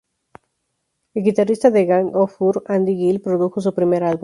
El guitarrista de Gang of Four, Andy Gill, produjo su primer álbum.